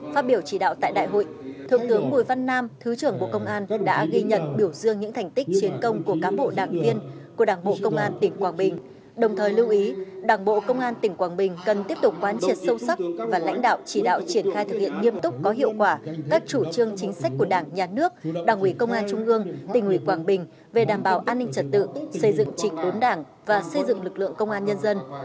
phát biểu chỉ đạo tại đại hội thượng tướng bùi văn nam thứ trưởng của công an đã ghi nhận biểu dương những thành tích chiến công của cám bộ đảng viên của đảng bộ công an tỉnh quảng bình đồng thời lưu ý đảng bộ công an tỉnh quảng bình cần tiếp tục quan triệt sâu sắc và lãnh đạo chỉ đạo triển khai thực hiện nghiêm túc có hiệu quả các chủ trương chính sách của đảng nhà nước đảng ủy công an trung ương tỉnh ủy quảng bình về đảm bảo an ninh trật tự xây dựng trịnh đốn đảng và xây dựng lực lượng công an nhân dân